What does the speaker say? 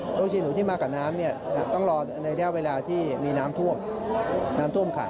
บางทีหนูที่มากับน้ำเนี่ยต้องรอในระยะเวลาที่มีน้ำท่วมน้ำท่วมขัง